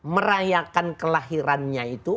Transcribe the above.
merayakan kelahirannya itu